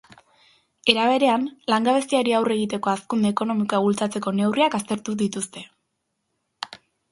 Era berean, langabeziari aurre egiteko hazkunde ekonomikoa bultzatzeko neurriak aztertu dituzte.